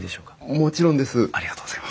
もちろんです。